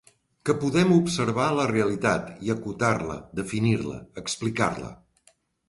Que podem observar la realitat i acotar-la, definir-la, explicar-la.